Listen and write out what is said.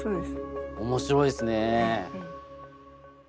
面白いですね。